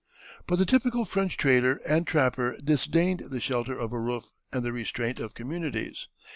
But the typical French trader and trapper disdained the shelter of a roof and the restraint of communities.